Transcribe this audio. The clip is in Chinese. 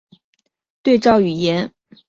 对照语言学的特征。